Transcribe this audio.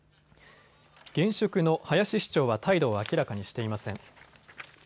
現職の林市長は態度を明らかにしていません。